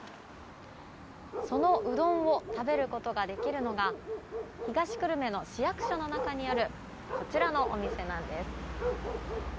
そのうどんを食べることができるのが東久留米の市役所の中にあるこちらのお店なんです。